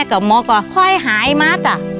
กับหมอก็ค่อยหายมาจ้ะ